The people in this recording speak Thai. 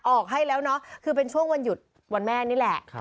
ออกให้แล้วเนาะคือเป็นช่วงวันหยุดวันแม่นี่แหละ